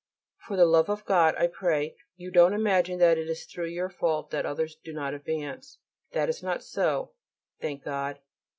For the love of God, I pray you don't imagine that it is through your fault that others do not advance. That is not so, thank God.